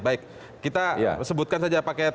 baik kita sebutkan saja paket